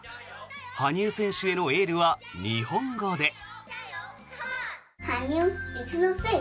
羽生選手へのエールは日本語で。